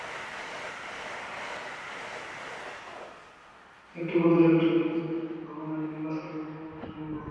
এমন মধুর একটি ঋতু শুধু ভাবনায় নয়, বাস্তবেও নির্মাণ করা সম্ভব।